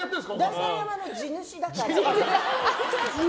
代官山の地主だから。